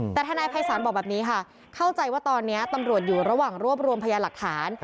แต่ทนายภัยศาลบอกแบบนี้ค่ะเข้าใจว่าตอนนี้ตำรวจอยู่ระหว่างรวบรวมพยาหลักฐาน